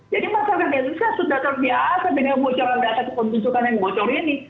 jadi masyarakat indonesia sudah terbiasa dengan kebocoran data kepemudukan yang bocor ini